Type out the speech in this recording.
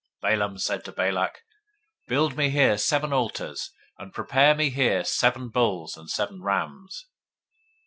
023:001 Balaam said to Balak, Build me here seven altars, and prepare me here seven bulls and seven rams.